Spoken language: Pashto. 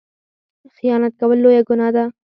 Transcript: خیانت کول لویه ګناه ده